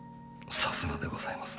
さすがでございますね。